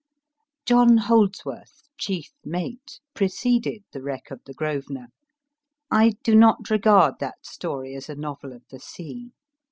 John Holdsworth : Chief Mate/ preceded * The Wreck of the " Grosvenor." I do not regard that story as a novel of the sea.